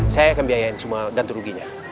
saya akan biayain cuma gantung ruginya